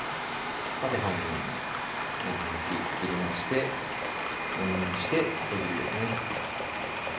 縦半分に長ねぎ切りまして斜めにして細切りですね